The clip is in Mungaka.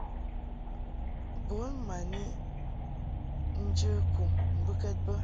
Bun ma ni njə kum mbɨkɛd bə.